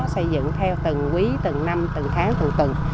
xây dựng theo từng quý từng năm từng tháng từng tuần